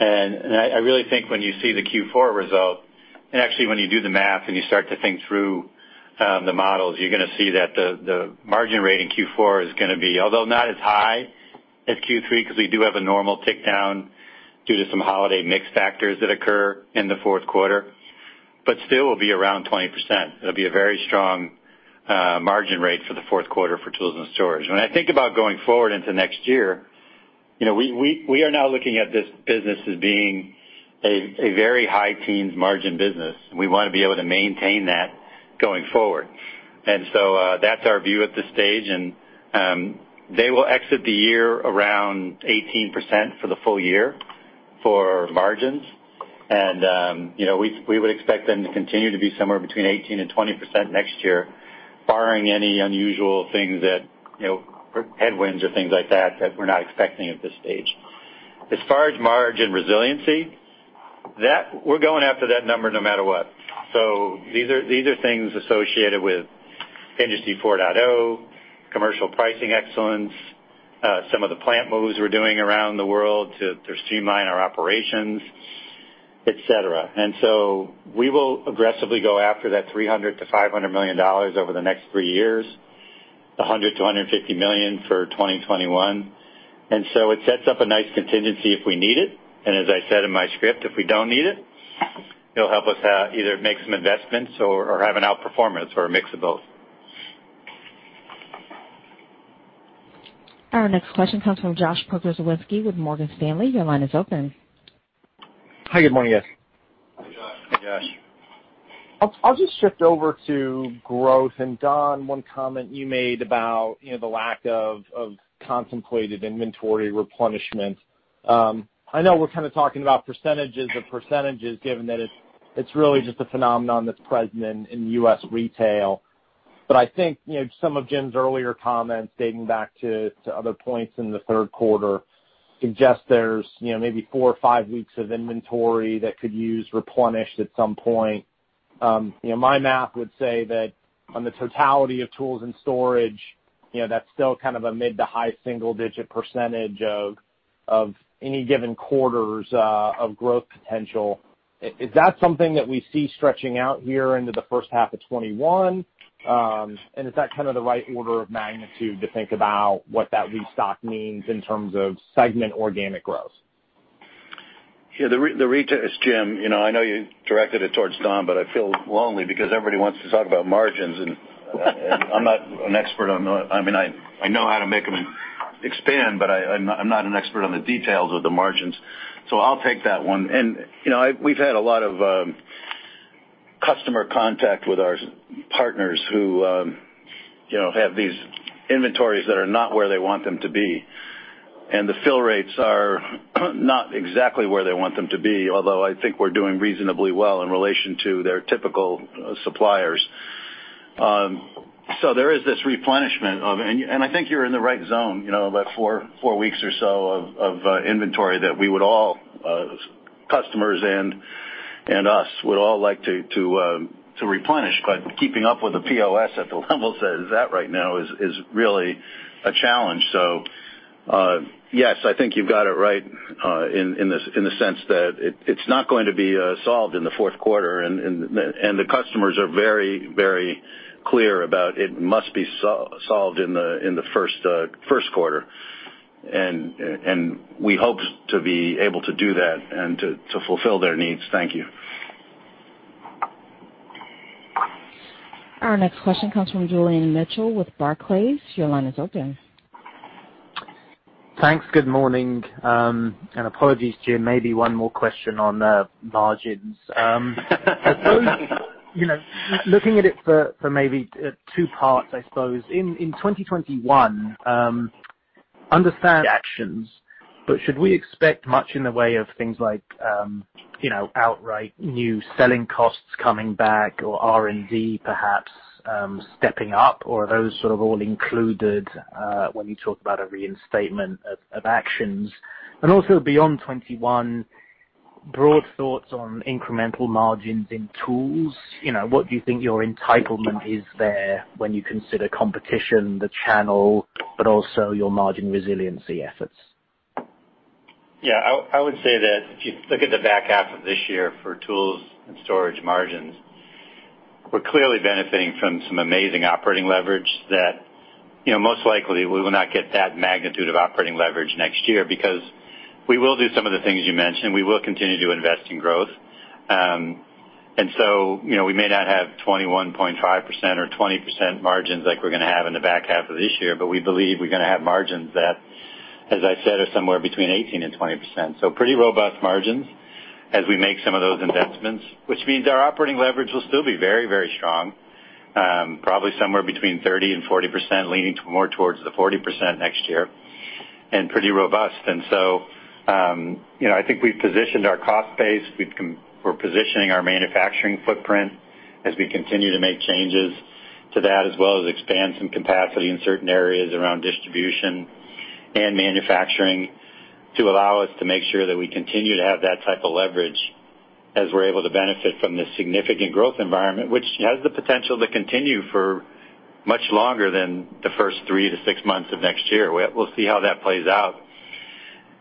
I really think when you see the Q4 result, and actually when you do the math and you start to think through the models, you're going to see that the margin rate in Q4 is going to be, although not as high as Q3 because we do have a normal tick down. Due to some holiday mix factors that occur in the fourth quarter, but still will be around 20%. It'll be a very strong margin rate for the fourth quarter for Tools & Storage. When I think about going forward into next year, we are now looking at this business as being a very high teens margin business. We want to be able to maintain that going forward. That's our view at this stage, and they will exit the year around 18% for the full year for margins. We would expect them to continue to be somewhere between 18%-20% next year, barring any unusual things that, headwinds or things like that we're not expecting at this stage. As far as margin resiliency, we're going after that number no matter what. These are things associated with Industry 4.0, commercial pricing excellence, some of the plant moves we're doing around the world to streamline our operations, et cetera. We will aggressively go after that $300 million-$500 million over the next three years, $100 million-$150 million for 2021. It sets up a nice contingency if we need it. As I said in my script, if we don't need it'll help us either make some investments or have an outperformance or a mix of both. Our next question comes from Josh Pokrzywinski with Morgan Stanley, your line is open. Hi, good morning guys? Hi, Josh. I'll just shift over to growth. Don, one comment you made about the lack of contemplated inventory replenishment. I know we're kind of talking about percentages of percentages given that it's really just a phenomenon that's present in U.S. retail. I think, some of Jim's earlier comments dating back to other points in the third quarter suggest there's maybe four or five weeks of inventory that could use replenish at some point. My math would say that on the totality of Tools & Storage, that's still kind of a mid to high single-digit percentage of any given quarters of growth potential. Is that something that we see stretching out here into the first half of 2021? Is that kind of the right order of magnitude to think about what that restock means in terms of segment organic growth? Yeah. It's Jim. I know you directed it towards Don, I feel lonely because everybody wants to talk about margins. I'm not an expert on I know how to make them expand, but I'm not an expert on the details of the margins. I'll take that one. We've had a lot of customer contact with our partners who have these inventories that are not where they want them to be, and the fill rates are not exactly where they want them to be, although I think we're doing reasonably well in relation to their typical suppliers. There is this replenishment of, and I think you're in the right zone, that four weeks or so of inventory that we would all, customers and us, would all like to replenish. Keeping up with the POS at the level it's at right now is really a challenge. Yes, I think you've got it right in the sense that it's not going to be solved in the fourth quarter, and the customers are very clear about it must be solved in the first quarter. We hope to be able to do that and to fulfill their needs. Thank you. Our next question comes from Julian Mitchell with Barclays, your line is open. Thanks. Good morning? Apologies, Jim, maybe one more question on margins. Looking at it for maybe two parts, I suppose. In 2021, understand actions, but should we expect much in the way of things like outright new selling costs coming back or R&D perhaps stepping up? Are those sort of all included when you talk about a reinstatement of actions? Also beyond 2021, broad thoughts on incremental margins in tools. What do you think your entitlement is there when you consider competition, the channel, but also your margin resiliency efforts? Yeah, I would say that if you look at the back half of this year for Tools & Storage margins, we're clearly benefiting from some amazing operating leverage that most likely we will not get that magnitude of operating leverage next year because we will do some of the things you mentioned. We will continue to invest in growth. We may not have 21.5% or 20% margins like we're going to have in the back half of this year. We believe we're going to have margins that, as I said, are somewhere between 18%-20%. Pretty robust margins as we make some of those investments, which means our operating leverage will still be very strong. Probably somewhere between 30%-40%, leaning more towards the 40% next year, and pretty robust. I think we've positioned our cost base. We're positioning our manufacturing footprint as we continue to make changes to that, as well as expand some capacity in certain areas around distribution and manufacturing to allow us to make sure that we continue to have that type of leverage as we're able to benefit from this significant growth environment. Which has the potential to continue for much longer than the first three to six months of next year. We'll see how that plays out,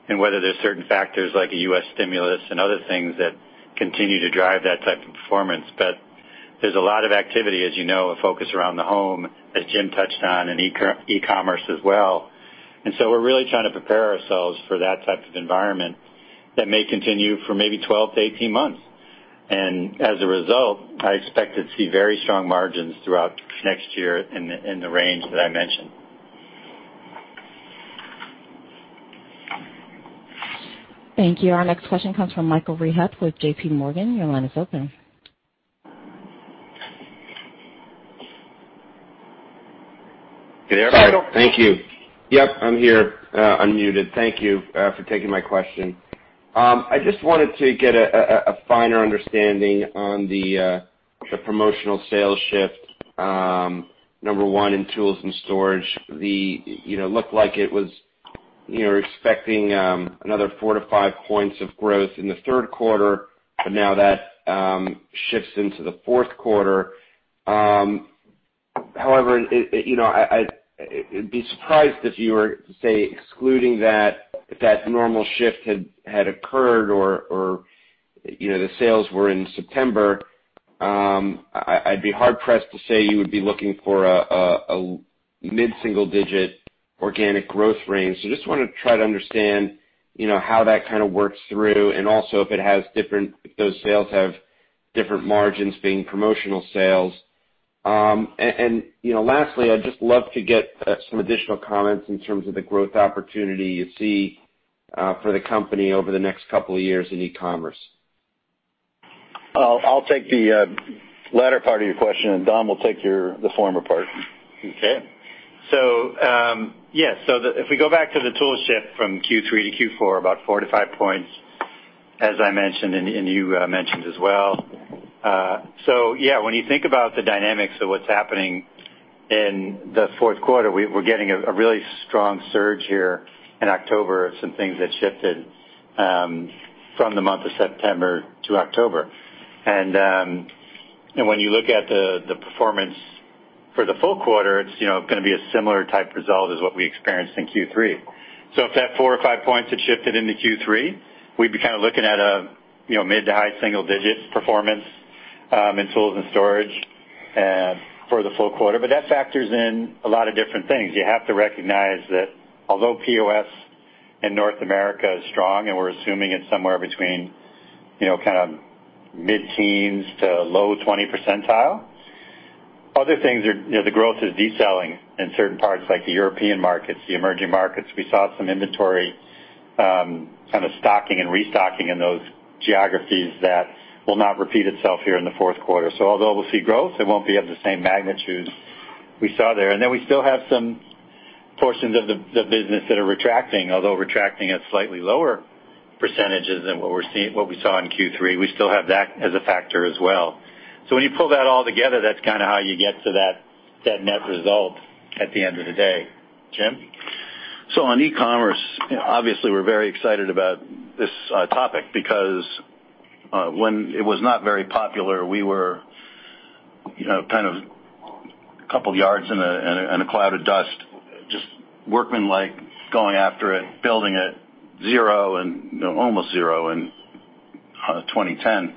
and whether there's certain factors like a U.S. stimulus and other things that continue to drive that type of performance. There's a lot of activity, as you know, a focus around the home, as Jim touched on, and e-commerce as well. We're really trying to prepare ourselves for that type of environment that may continue for maybe 12 months-18 months. As a result, I expect to see very strong margins throughout next year in the range that I mentioned. Thank you. Our next question comes from Michael Rehaut with JPMorgan, your line is open. You there, Michael? Thank you. I am here, unmuted. Thank you for taking my question. I just wanted to get a finer understanding on the promotional sales shift, number one, in Tools & Storage. Looked like it was expecting another 4 points-5 points of growth in the third quarter, Now that shifts into the fourth quarter. However, I would be surprised if you were to say excluding that normal shift had occurred or the sales were in September, I would be hard-pressed to say you would be looking for a mid-single-digit organic growth range. Just want to try to understand how that kind of works through, and also if those sales have different margins being promotional sales. Lastly, I would just love to get some additional comments in terms of the growth opportunity you see for the company over the next couple of years in e-commerce. I'll take the latter part of your question, and Don will take the former part. Okay. Yeah. If we go back to the tool shift from Q3 to Q4, about four to five points, as I mentioned, and you mentioned as well. When you think about the dynamics of what's happening in the fourth quarter, we're getting a really strong surge here in October of some things that shifted from the month of September to October. When you look at the performance for the full quarter, it's going to be a similar type result as what we experienced in Q3. If that four or five points had shifted into Q3, we'd be kind of looking at a mid to high single digit performance in Tools & Storage for the full quarter. That factors in a lot of different things. You have to recognize that although POS in North America is strong, we're assuming it's somewhere between mid-teens to low 20%, other things are the growth is decelerating in certain parts like the European markets, the emerging markets. We saw some inventory kind of stocking and restocking in those geographies that will not repeat itself here in the fourth quarter. Although we'll see growth, it won't be of the same magnitude we saw there. Then we still have some portions of the business that are retracting, although retracting at slightly lower percentages than what we saw in Q3. We still have that as a factor as well. When you pull that all together, that's kind of how you get to that net result at the end of the day. Jim? On e-commerce, obviously, we're very excited about this topic because when it was not very popular, we were kind of a couple yards in a cloud of dust, just workman-like going after it, building it zero and almost zero in 2010.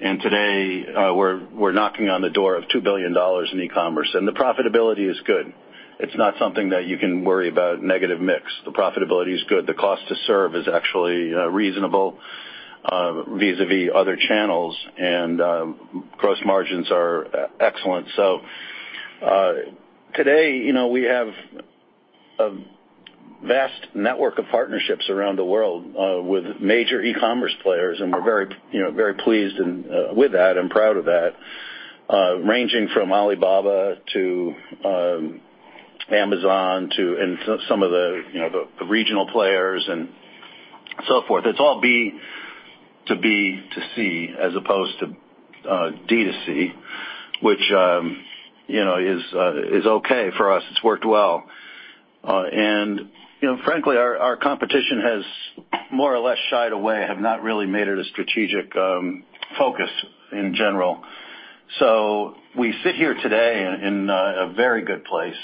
Today, we're knocking on the door of $2 billion in e-commerce, and the profitability is good. It's not something that you can worry about negative mix. The profitability is good. The cost to serve is actually reasonable vis-a-vis other channels, and gross margins are excellent. Today, we have a vast network of partnerships around the world with major e-commerce players, and we're very pleased with that and proud of that, ranging from Alibaba to Amazon to some of the regional players and so forth. It's all B to B to C as opposed to D to C, which is okay for us. It's worked well. Frankly, our competition has more or less shied away, have not really made it a strategic focus in general. We sit here today in a very good place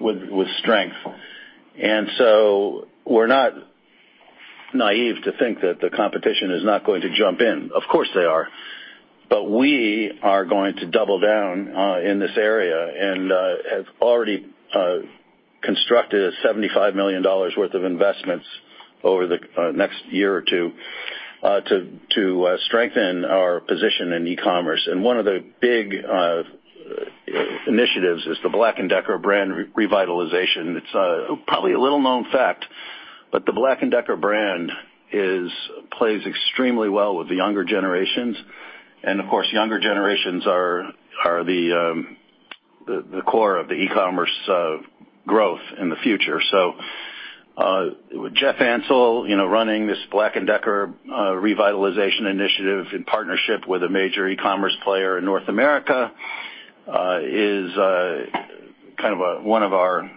with strength, and so we're not naive to think that the competition is not going to jump in. Of course, they are. We are going to double down in this area and have already constructed $75 million worth of investments over the next year or two to strengthen our position in e-commerce. One of the big initiatives is the Black & Decker brand revitalization. It's probably a little-known fact, but the Black & Decker brand plays extremely well with the younger generations, and of course, younger generations are the core of the e-commerce growth in the future. Jeff Ansell running this Black & Decker revitalization initiative in partnership with a major e-commerce player in North America is kind of one of our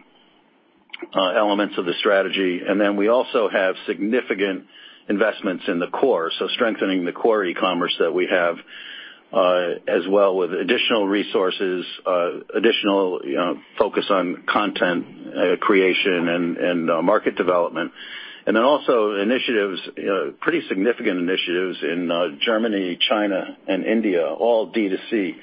elements of the strategy. We also have significant investments in the core, so strengthening the core e-commerce that we have as well with additional resources, additional focus on content creation, and market development. Also initiatives, pretty significant initiatives in Germany, China, and India, all D2C.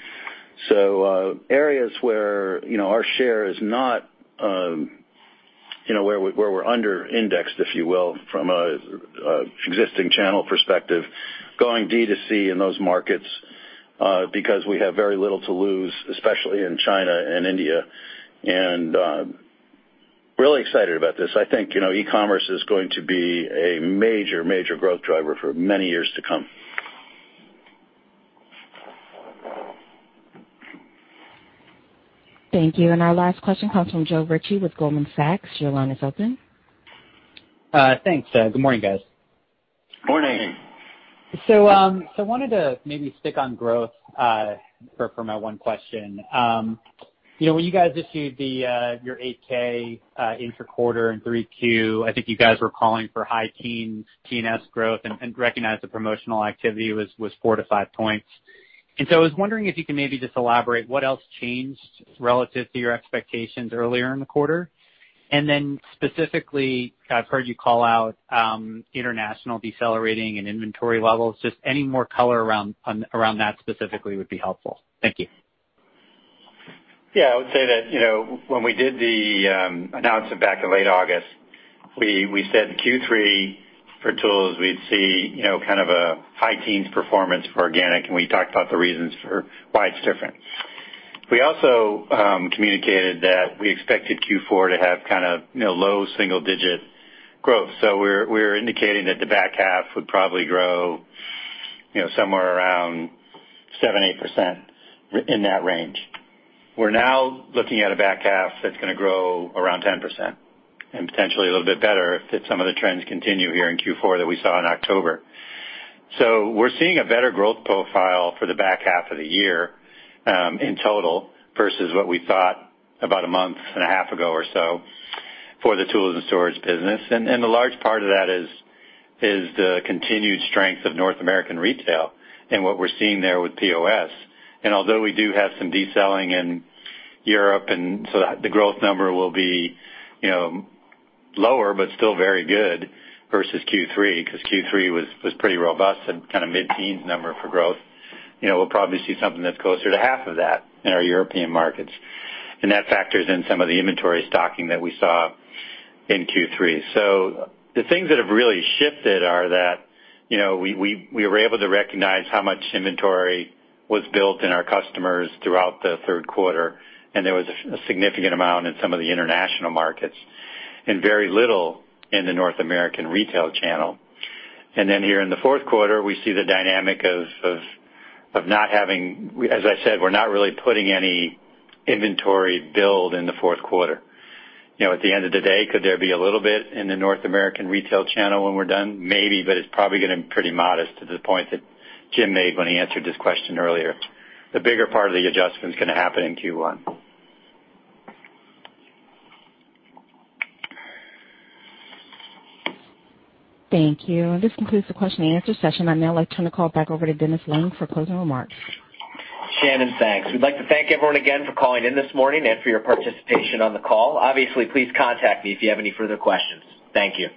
Areas where our share is not where we're under-indexed, if you will, from an existing channel perspective, going D2C in those markets because we have very little to lose, especially in China and India. Really excited about this. I think e-commerce is going to be a major growth driver for many years to come. Thank you. Our last question comes from Joe Ritchie with Goldman Sachs. Your line is open. Thanks. Good morning guys? Morning. I wanted to maybe stick on growth for my one question. When you guys issued your 8-K intra-quarter in 3Q, I think you guys were calling for high teen growth, and recognized the promotional activity was four to five points. I was wondering if you can maybe just elaborate what else changed relative to your expectations earlier in the quarter? Specifically, I've heard you call out international decelerating and inventory levels, just any more color around that specifically would be helpful. Thank you. Yeah, I would say that when we did the announcement back in late August, we said Q3 for tools, we'd see kind of a high teens performance for organic, and we talked about the reasons for why it's different. We also communicated that we expected Q4 to have kind of low single digit growth. We're indicating that the back half would probably grow somewhere around 7%-8% in that range. We're now looking at a back half that's going to grow around 10% and potentially a little bit better if some of the trends continue here in Q4 that we saw in October. We're seeing a better growth profile for the back half of the year in total versus what we thought about a month and a half ago or so for the Tools & Storage business. A large part of that is the continued strength of North American retail and what we're seeing there with POS. Although we do have some de-selling in Europe, the growth number will be lower, but still very good versus Q3, because Q3 was pretty robust and kind of mid-teens number for growth. We'll probably see something that's closer to half of that in our European markets. That factors in some of the inventory stocking that we saw in Q3. The things that have really shifted are that we were able to recognize how much inventory was built in our customers throughout the third quarter, and there was a significant amount in some of the international markets and very little in the North American retail channel. Here in the fourth quarter, we see the dynamic of not having, as I said, we're not really putting any inventory build in the fourth quarter. At the end of the day, could there be a little bit in the North American retail channel when we're done? Maybe, but it's probably going to be pretty modest to the point that Jim made when he answered this question earlier. The bigger part of the adjustment is going to happen in Q1. Thank you. This concludes the question-and-answer session. I'd now like to turn the call back over to Dennis Lange for closing remarks. Shannon, thanks. We'd like to thank everyone again for calling in this morning and for your participation on the call. Obviously, please contact me if you have any further questions. Thank you.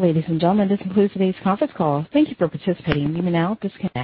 Ladies and gentlemen, this concludes today's conference call. Thank you for participating. You may now disconnect.